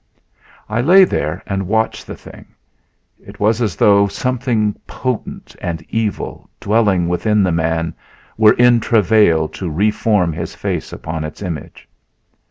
I lay there and watched the thing. It was as though something potent and evil dwelling within the man were in travail to re form his face upon its image.